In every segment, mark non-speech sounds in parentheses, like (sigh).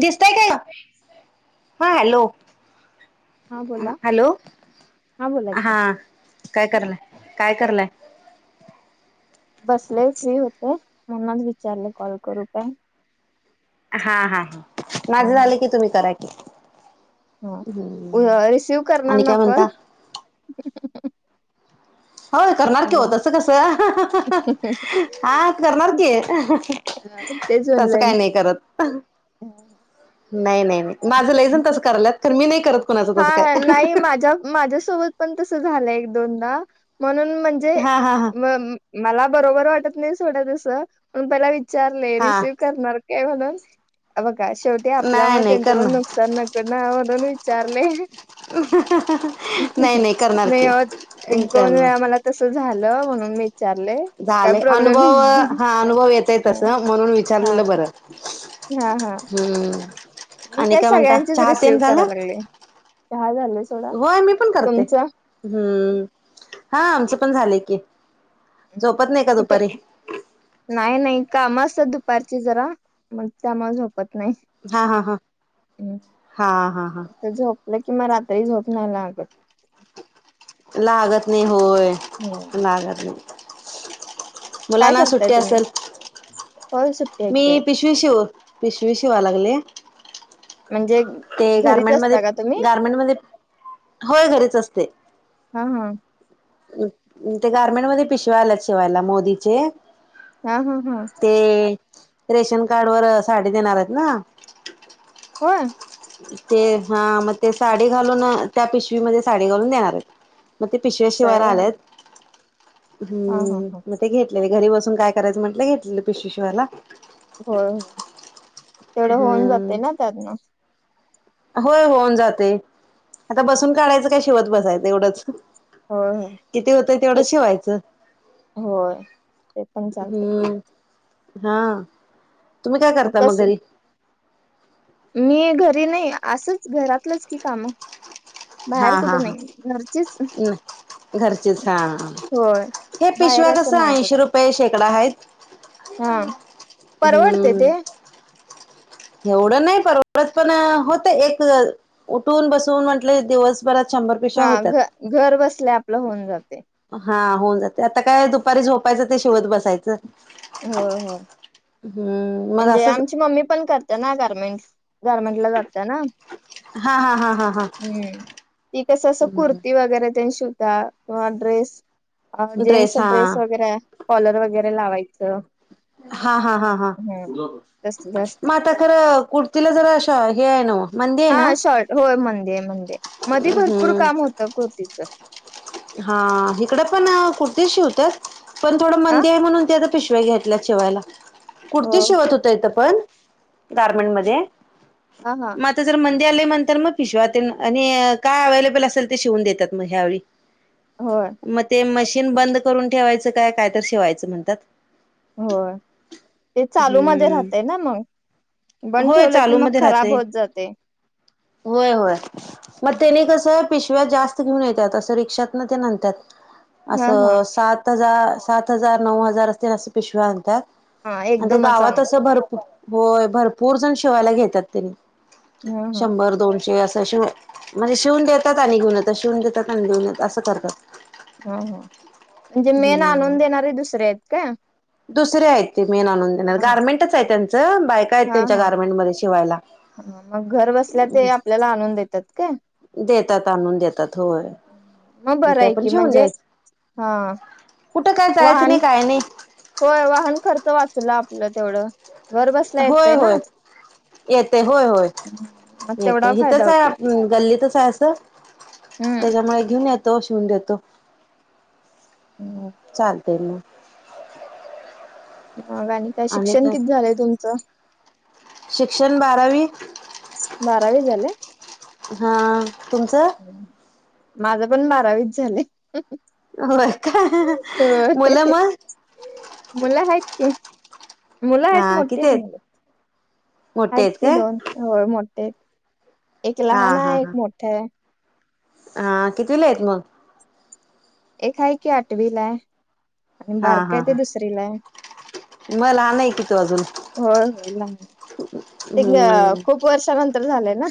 दिसतंय काय ग? हा हॅलो. हा हॅलो बोला हा की काय करलय काय करलय? बसले फ्री होते, म्हणूनच विचारले कॉल करू काय? हा हा हा, माझं झाले की तुम्ही कराय. हा रिसिव्ह करणार आणि ना काय कॉल? म्हणता होय करणार की हो हॅलो तसं कसं? हा करणार की. तेच तस काय म्हणलं नाही करत, अहं. नाही नाही नाही, माझं लईजण कराल्यात तर मी नाही करत. कुणाचं हा तसं हा काय नाही माझ्या. माझ्यासोबत पण तस झालं एक दोनदा म्हणून म्हणजे हा हा हा मग मला बरोबर वाटत नाही सोडा तसं पण पहिला विचारले हा रिसिव्ह करणार का म्हणून, हे बघा शेवटी आपल्या नाही मुले नाही त्यांचं पण करणार नुकसान नको ना म्हणून वीचारले, नाही नाही करणार नई की ओ एक दोन वेळा करणार मला तस झालं म्हणून मी विचारले काय झाले, प्रॉब्लेम अनुभव नाही हा अनुभव येतय तसं म्हणून हा विचारलेलं बरं. हा हा हम्म मी आणि काय म्हणता सगळ्यांचेच चहा तेन रिसीव कराय झालं लागले, दहा झाले असतील. होय मी पण करते, हम्म हा आमचं पण झालंय की. झोपत नाही का कुठे दुपारी? नाही नाही काम असतात दुपारची जरा मग त्यामुळे झोपत नाही. हा हा हा, हा हा हा हा. आले की मग रात्री झोप नाही लागत. लागत नाही होय, हम्म. लागत नाही. काय मुलांना करताय सुट्टी तुम्ही असल. होय सुट्टी आहे मी की आज पिशवी शिव, पिशवी शिवा लागलीये. म्हणजे ते घरीच गारमेंटमध्ये असता का तुम्ही गारमेंटमध्ये. होय घरीच असते. हा हा. ते गार्मेंट मध्ये पिशव्या आल्यात शिवायला मोदीचे. हा हा ह. ते रेशन कार्ड वर साडी देणार आहेत ना. होय ते हा मग ते साडी घालून, त्या पिशवीमध्ये साडी घालून देणार आहेत. मग ते पिशव्या असं आहे शिवायला होय. आलेयेत. हा हा हम्म हा मग ते घेतलेले, घरी बसून काय करायचं म्हटलं घेतलेले पिशवी शिवायला. होय होय तेवढं होऊन जाते हम्म. ना त्यातनं. होय होऊन जाते आता बसून काडायचं काय शिवत एवढंच. होय होय. किती होतंय तेवढं शिवायचं होय ते पण चालते हम्म. हा तुम्ही काय करता मग घरी? मी घरी नाई असंच घरातलंच की कामं. हा बाहेर कुठं नाय घरचीच. घरचीच हा होय हे बाहेर पिशव्या असं कसं नाही कुठ ऐंशी रुपये शेकडा हायत. हा परवडते ते हम्म. एवढं नाय परवडत पण होतं एक उठून बसून म्हंटलं दिवस बरं शंभर पिशव्या हा होतात. घ घर बसल्या आपलं होऊन जाते. हा होऊन जाते आता काय दुपारी झोपायचं ते शिवत बसायचं. होय होय हो हम्म मग म्हणजे असंच आमची मम्मी पण ना गारमेंट करते ना गारमेंट ला जातंय ना. हा हा हा हा हा. हम्म ती कसं असं कुर्ती वगैरे तेन शिवता. किंवा ड्रेस अ जेन्सचा ड्रेस वगैरे कॉलर वगैरे लावायचं. हा हा हा हा हम्म तसलं असते. म आता खरं कुर्तीला जरा अशा हे आहे ना व हा शॉर्ट होय मंदे मंदे मध्ये भरपूर हम्म काम होतं कुर्तीचं. हा हिकडं पण कुर्ती शिवतात पण थोडं आ मंदी हाय म्हणून तेजा पिशव्या घेतल्या शिवायला. हो कुर्ती शिवत हो होते इथं पण गारमेंट हा मध्ये हा म आता जर मंदी आल्या नंतर म पिशव्या तेन आणि काय अवेलेबल असेल ते शिवून देत्यात म ह्यावेळी. होय. म ते मशीन बंद करून ठेवायचं काय काय तरी शिवायचं म्हणतात. होय ते चालू मध्ये राहतय हम्म ना मंग. बंद ठेवलं की मग खराब होत जाते. वय होय म त्यानी कसं पिशव्या जास्त घेऊन येते असं रिक्षात नं तेन आणत्यात हा हा असं सात सात हजार सात हजार नऊ हजार असतील असं पिशव्या आणतात हा आणि ते एकदमच गावात आणायचं असं भरपूर होय भरपूर जण शिवायला घेतात त्यांनी हा हा शंभर दोनशे असं शिव म्हणजे शिवून देतात आणि घेऊन येता शिवून देतात आणि घेऊन येता असं करता. हम्म हम्म. हम्म आहेत का दुसरे आहे ते मेन आणून देणारे हा हा गारमेंटच च त्यांचा बायका आहेत हा त्यांच्या हा गार्मेंटमध्ये शिवायला. हा घर बसल्या ते आपल्याला आणून देतात काय? देतात आणून देतात होय मग बरं ते आहे आपण की शिवून म्हणजे द्यायचं. हा. कुट काय जायचं वाहन नाय काय नाय. होय वाहन खर्च वाचला आपलं तेवढं घर बसल्या होय येतय ना. होय येते होय होय हम्म मग येते तेवढा फायदा हिथच हाय होतोय आप की. गल्लीतच हाय असं हम्म. त्याच्यामुळे घेऊन येतो शिवून देतो हम्म चालते म. मग आणि काय शिक्षण कित झालंय तुमचं? शिक्षण बारावी बारावी झाले. हा तुमचं? माझं पण बारावीच झालेय. होय का मुलं म? मुला हायात की मुला हायत हा मोठे किती हायत आहेत मुलं. मोठे हायत आहेत की काय दोन मोठे एक हा लहान हा आहे एक हा मोठा आहे. हा कितीवीला आहेत मग? एक आहे की आठवीला आहे आणि बारकाय ते दुसरी ला आहे. म लहान आहे की तो अजून. होय-होय लहान आहे तेंग्या हम्म खूप वर्षानंतर झालंय ना.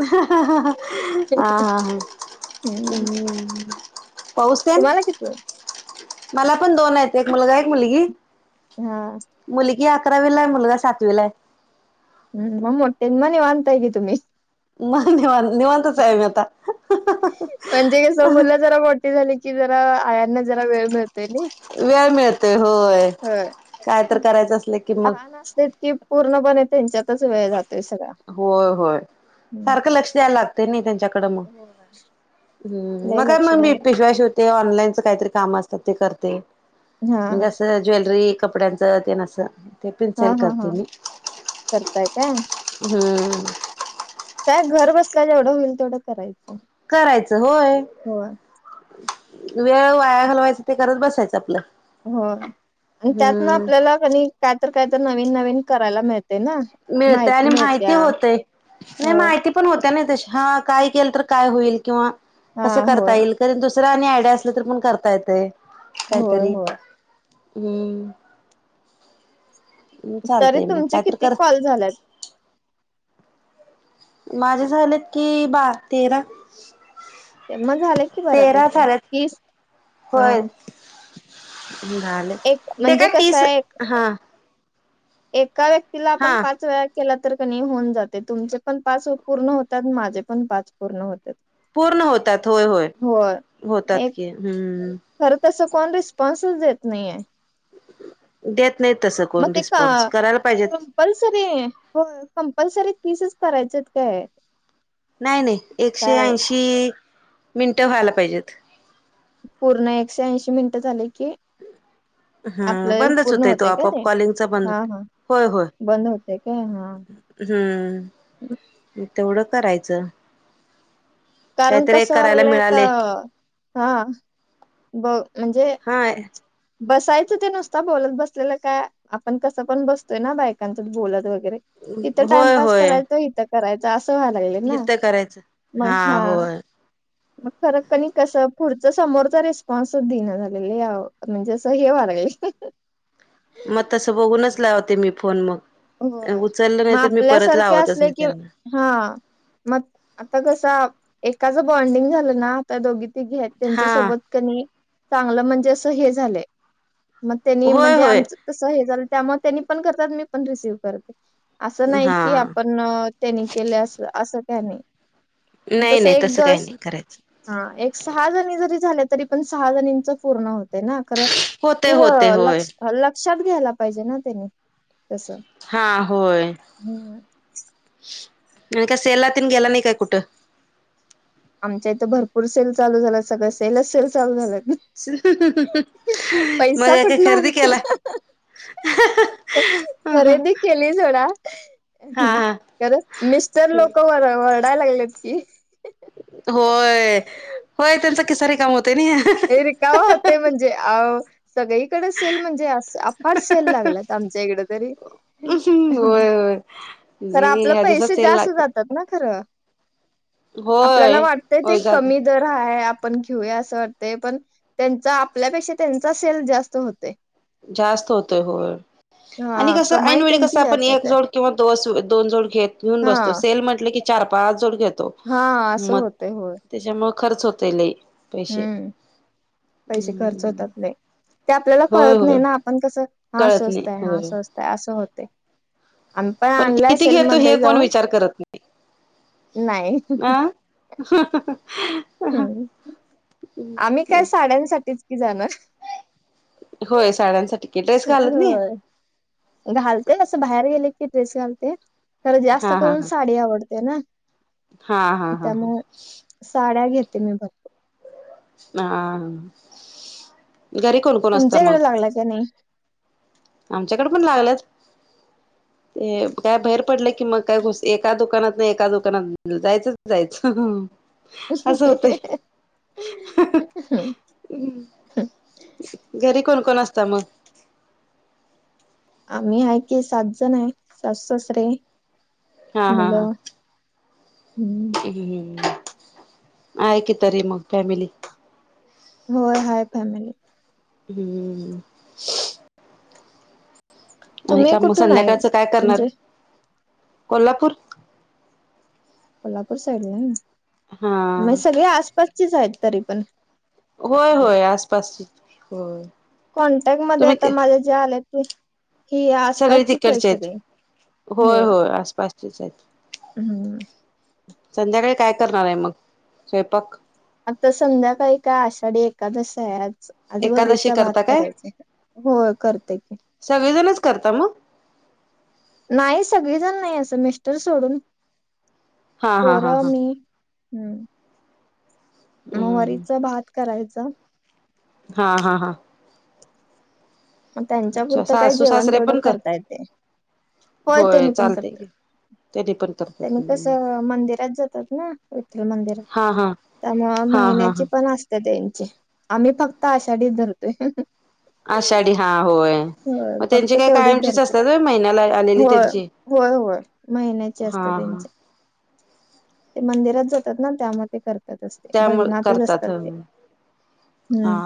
आ हा हा हम्म हम्म. पाऊस तेन तुम्हाला किती आहेत? मला पण दोन आहेत एक मुलगा एक मुलगी. हा. मुलगी अकरावीला आहे मुलगा सातवीला आहे. हम्म हम्म म मोठे आहे म निवांत आहे की तुम्ही. म निवां निवांतच आहे मी आता. म्हणजे कसं मुलं जरा मोठी झाली की जरा आयानं जरा वेळ मिळते नई वेळ मिळतोय होय. काय तर करायचं असलं की मग लहान असतेत कि पूर्णपणे त्यांच्यातच वेळ जातोय सगळा. होय होय सारखं लक्ष द्याय लाग ते नाही त्यांच्याकडे मग होय. हम्म लय मग काय लक्ष मग मी द्यायला पिशवा शिव ते ऑनलाईनचं काहीतरी काम असतात ते करते हा म्हणजे असं ज्वेलरी कपड्यांचं तेन असं ते पण हा सेल हा करते हा मी. करताय का? हम्म. काय घर बसलाय जेवढं होईल तेवढं करायचं. करायचं होय. होय वेळ वाया घालवायचं ते करत बसायचं आपलं. हो आणि त्यातनं हम्म आपल्याला कणी कायतर कायतर नवीन-नवीन करायला मिळते ना. मिळते आणि माहिती होते नाही होय माहिती पण होत्या ना तशी हा केल तर काय होईल किंवा हा कसं करता होय येईल तरीन दुसरा आणि आयडिया असला तरी पण करता येते होय काहीतरी. होय. हम्म तरी चालतय मग तुमचे कायतरी किती करत कॉल झाल्यात माझं झालेत की बार तेरा. ते म झाले कि तेरा बरापैकी तीस हा. घालेत एक ते म्हणजे काय कसं तीस आहे हा. एका व्यक्तीला आपण हा पाच वेळा केला तर क नी होऊन जाते तुमचे पण पाच पूर्ण होतात माझे पण पाच पूर्ण होत्यात. पूर्ण होतात होय होय होतात एक की हम्म. खरं तसं कोण रिस्पॉन्सच देत नाहीये. देत नाही तसं कोण रिस्पॉन्स करायला पाहिजेत. कपल्सरी होय कंपल्सरी तीसच करायचयत काय? नाही नाही एकशे काय ऐंशी मिनटं व्हायला पाहिजेत. पूर्ण एकशे ऐंशी मिनिटं झाले की हा आपलं बंदच पूर्ण होतोय तो होतय का आपोआप ते कॉलिंगचा बंद हा हा होतोय. बंद होतेय काय हा. हम तेवढं करायचं. कारण काहीतरी कस एक व्हाय करायला लागलंय आता मिळाले हा. ब म्हणजे हा बसायचं तेन नुसता बोलत बसलेलं काय आपण कसं पण बसतोय ना बायकांच्यात बोलत वगैरे. तिथं होय टाइमपास होय करायच इथ करायच असं व्हायला लागलं ना हित करायचं मग हा होय मग फरक कनी कस पुढच समोरचा रिस्पॉन्स देईन आव म्हणजे स हे व्हायला लागलय. मग तसं बघूनच लावते मी फोन मग. होय उचललं नाही मग तर मी परत आपल्यासारखे लावतच असले नाही की त्यांना. हा मग आता कसं एकाच बॉन्डिंग झालं ना तर दोघी तिघी हेत त्यांच्या हा सोबत कनी चांगलं म्हणजे असं हे झालंय मग त्यांनी होय म्हणजे होय आमच तसं हे झालं त्यामुळे त्यांनी पण करतात मी पण रिसीव्ह करते अस नाही हा की आपन न त्यांनी केले अस असं का नाही मग नाही तस नाही एक तसं काही दास नाही करायचं हा एक सहा जणी जरी झाल्या तरी पण सहा जणीच पूर्ण होत तेना खरं होते ते होते होय लक्ष लक्षात घ्यायला पाहिजे ना त्यांनी तस. हा होय न काय सेला तेन गेला नाही काय कुठं? आमच्या इथं भरपूर सेल चालू झाला सगळं सेलच सेल चालू झाल्यात. मग काय काय कुठन खरेदी केला? आणायचा (unintelligible) खरेदी केली सोडा हा हा खर मिस्टर लोक वर वरडायला लागलेत की. होय होय त्यांच ए रिकाम होतय म्हणजे अ सगळीकडे सेल म्हणजे अस अफाट सेल लागल्यात आमच्या इकड तरी. होय होय खर नाही आपल ह्या दिवसात पैसे सेल जास्त लागतात जातात ना खरं. आपल्याला होय वाटतय ते होय जा कमी दर हाय पण घेऊया असं वाटतय पण त्यांचा आपल्यापेक्षा त्यांचा सेल जास्त होतोय. जास्त होतोय होय. आणि हा कसं कमाई ऐनवेळी त्यांची कसं आपण जास्त एक होते जोड किंवा दोन जोड घेत घेऊन हा बसतो सेल म्हटल की चार पाच जोड घेतो हा असं मग होतय होय त्याच्यामुळ खर्च होतोय लयी. हम्म पैसे खर्च हम्म होतात लय. ते आपल्याला होय कळत नाही होय ना आपण कसं हा कळत नाही स्वस्त हाय होय स्वस्त हाय असं होतेय. पण किती घेतो हे कोण विचार करत नाही नाही अं (unintelligible) हम् आम्ही काय साड्यांसाठीच कि जाणार. होय साड्यांसाठी. की ड्रेस घालत नाही होय घालते असं बाहेर गेले की ड्रेस घालते. खरं जास्त हा हा करून साडी आवडते ना. हा हा हा हा. त्यामुळे साड्या घेते मी बघ म हा घरी कोण कोण असत मग? चांगलं हाय काय नाही? आमच्याकड पण लागल्यात. ते काय बाहेर पडलं की मग काय घुस एका दुकानात ना एका दुकानात जायचंच जायचं. असं होतंय (unintelligible) हम्म. घरी कोण कोण असतं मग? आम्ही आहे की सात जण आहे. सासु सासरे हा हा हा. मुलं हम्म हम्म. आहे की तरी मग फॅमिली. होय हाय फॅमिली. हम्म. आणि तुम्ही काय मग कुठून आहे? संध्याकाळच काय करणार? म्हणजे कोल्हापूर कोल्हापूर साईडला हाय होय? मग हा सगळी आसपासचीच आहेत तरी पण. होय हिकडं होय आसपासची होय कॉन्टॅक्टमध्ये आता तुम्ही माझ्या जे आले ते. ही सगळे आसपासचीच आहे तिकडचे आहेत. सगळे हो. होय होय आसपासचेच आहेत. हम्म. संध्याकाळी काय करणार आहे मग स्वयंपाक? आता संध्याकाळी काय आषाढी एकादशी आहे आज. आज एकादशी वरीचा भात करता काय करायचाय, होय करतोय की. सगळी जणच करता मग? नाही सगळीजण नाही असं मिस्टर सोडून. हा हा पोर, हा हा मी. हम्म. मग हम्म वरीचा भात करायचा. हा हा हा. मग त्यांच्या अच्छा पुुरतं काय सासू जेवण सासरे तेवढं पण कर करता येतंय. होय तेनी पण चालते की करत्यात. त्यांनी पण करतात त्यांनी कसं मंदिरात जातात ना, विठ्ठल मंदिरात. हा हा त्यामुळं हा हा हा महिन्याचे पण आसते त्यांचे, आम्ही फक्त आषाढीच धरतोय. आषाढी हा होय. होय मग फक्त त्यांची काय तेवढीच कायमचीच धरतोय. असतात होय महिन्याला आलेली होय त्यांची होय होय महिन्याची हा असत्या हा त्यांची. ते मंदिरात जातात ना त्यामुळे ते करतातच ते, त्यामुळे भजनातच करतात असतात ते. हा हम्म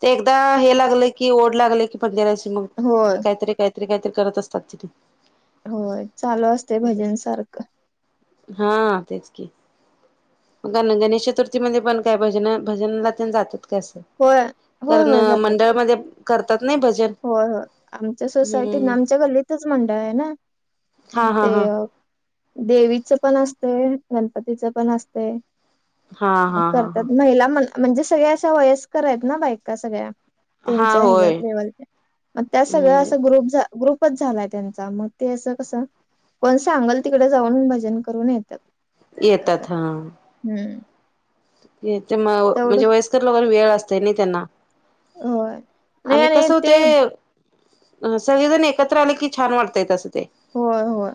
ते एकदा हे लागलं की ओढ लागलं, की जराशी मग होय काहीतरी काही काहीतरी काहीतरी करत असतात तेनी. होय चालू असतंय भजन सारखं. हा तेच की. गण-गणेश चतुर्थीमध्ये पण काय भजन भजनला तेन जातेत का असं? होय होय कारण होय जातात मंडळमध्ये करतात नाही भजन. होय होय आमच्या सोसायटीत, हम्म आमच्या गल्लीतच मंडळ आहे ना. हा मग हा ते हा देवीचं पण असतंय, गणपतीचं पण असतंय. हा मग हा हा हा करत्यात महिला म म्हणजे सगळ्या अशा वयस्कर आहेत ना बायका सगळ्या. हा त्यांच्या होय ह्याच्यात लेवल आणि त्या सगळ्या हम्म असं ग्रुप झा ग्रुपच झालाय त्यांचा. मग ते असं कसं कोण सांगाल तिकडं जाऊन भजन करून येत्यात. येतात हा. हम्म. हेचे मग तेवढं म्हणजे वयस्कर लोकांना वेळ असतोय नाही त्यांना. होय. नाही आणि कस ते होतंय सगळेजण एकत्र आले की, छान वाटतय तसं ते. होय होय.